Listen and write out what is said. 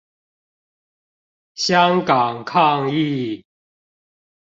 香港抗議